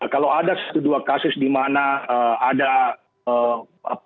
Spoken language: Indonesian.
kalau ada satu dua kasus di mana ada